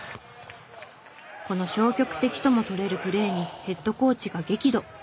この消極的とも取れるプレーにヘッドコーチが激怒。